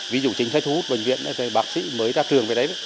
ví dụ chính sách thu hút bệnh viện bác sĩ mới ra trường về đấy